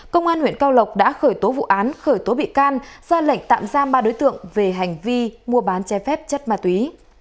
công an huyện cao lộc đã khởi tố vụ án khởi tố bị can ra lệnh tạm giam ba đối tượng về hành vi mua bán che phép chất ma túy